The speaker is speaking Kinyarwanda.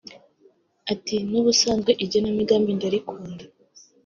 Ati “N’ubusanzwe igenamigambi ndarikunda